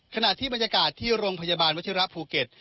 ขณะที่บรรยากาศที่โรงพยาบาลวัชิระภูเก็ต